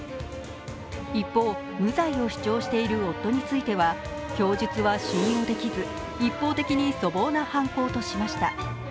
一方、無罪を主張している夫については、供述は信用できず、一方的に粗暴な犯行としました。